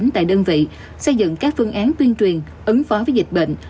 tại đơn vị xây dựng các phương án tuyên truyền ứng phó với dịch bệnh